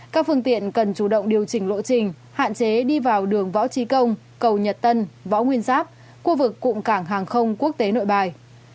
các phương tiện cần chủ động điều chỉnh lộ trình hạn chế đi vào đường võ trí công cầu nhật tân võ nguyên giáp khu vực cụm cảng hàng không quốc tế nội bài